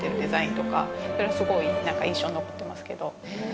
それはすごい印象に残ってますけど。